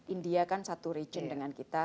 india kan satu region dengan kita